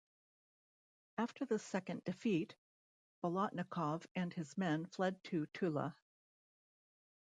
After the second defeat, Bolotnikov and his men fled to Tula.